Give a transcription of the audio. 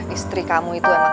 istri kamu itu emang harus